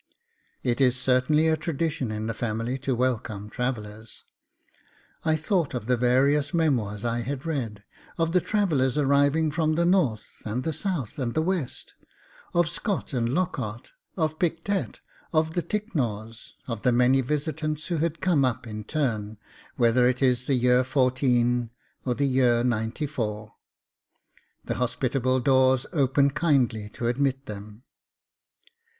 It is certainly a tradition in the family to welcome travellers! I thought of the various memoirs I had read, of the travellers arriving from the North and the South and the West; of Scott and Lockhart, of Pictet, of the Ticknors, of the many visitants who had come up in turn; whether it is the year 14, or the year 94, the hospitable doors open kindly to admit them.